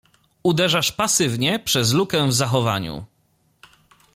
” „Uderzasz pasywnie — przez lukę w zachowaniu.